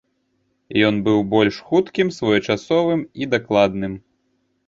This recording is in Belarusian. Ён быў больш хуткім, своечасовым і дакладным.